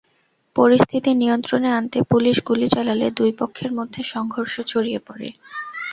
পরিস্থিতি নিয়ন্ত্রণে আনতে পুলিশ গুলি চালালে দুই পক্ষের মধ্যে সংঘর্ষ ছড়িয়ে পড়ে।